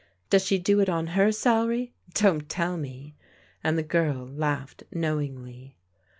Does she do it on her salary ? Don't tell me," and the girl laughed knowingly.